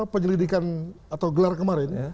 penyelidikan atau gelar kemarin